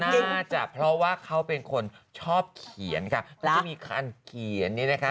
น่าจะเพราะว่าเขาเป็นคนชอบเขียนค่ะที่มีการเขียนนี่นะคะ